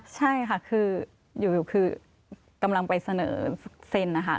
ใช่ค่ะคืออยู่คือกำลังไปเสนอเซ็นนะคะ